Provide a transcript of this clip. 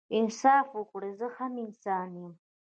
انصاف وکړئ زه هم انسان يم